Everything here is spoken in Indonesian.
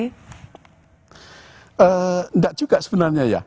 tidak juga sebenarnya ya